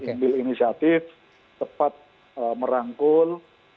ngambil inisiatif cepat merangkul